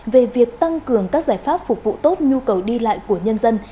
về việc tăng cường các giải pháp phục vụ tốt nhu cầu đi lại của nhân dân